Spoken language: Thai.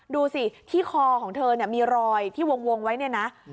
ดูสิที่คอของเธอเนี่ยมีรอยที่วงไว้เนี่ยนะ